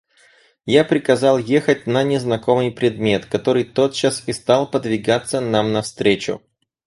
Я приказал ехать на незнакомый предмет, который тотчас и стал подвигаться нам навстречу.